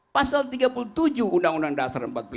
pasal tiga puluh tujuh undang undang dasar empat puluh lima